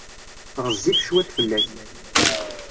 Ɣezzifeɣ cwiṭ fell-ak.